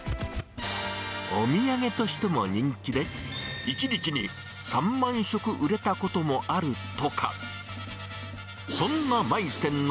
お土産としても人気で、１日に３万食売れたこともあるとか。